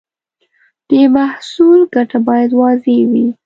د محصول ګټه باید واضح وي.